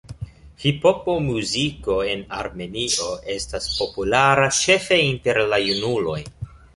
Hiphopomuziko en Armenio estas populara ĉefe inter la junuloj.